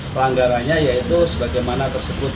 pelanggarannya yaitu sebagaimana tersebut